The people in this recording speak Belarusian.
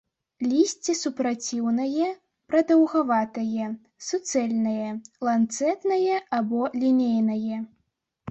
Лісце супраціўнае, прадаўгаватае, суцэльнае, ланцэтнае або лінейнае.